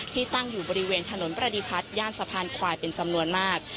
ที่ตั้งอยู่บริเวณถนนบรรทีพัดย่านสะพานควายเป็นควายเป็นจำนวนมาก